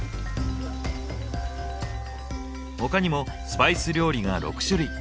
他にもスパイス料理が６種類。